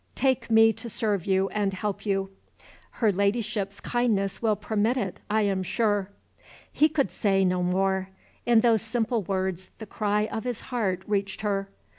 Take me to serve you and help you. Her Ladyship's kindness will permit it, I am sure." He could say no more. In those simple words the cry of his heart reached her.